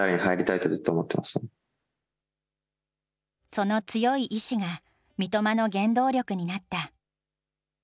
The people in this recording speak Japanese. その強い意思が三笘の原動力になった。